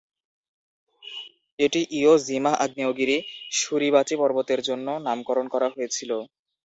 এটি ইও জিমা আগ্নেয়গিরি, সুরিবাচি পর্বতের জন্য নামকরণ করা হয়েছিল।